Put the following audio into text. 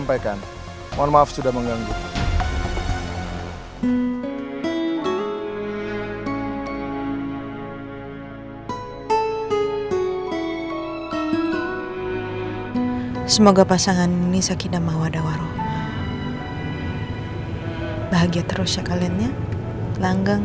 pikirkan juga kebahagiaan kalian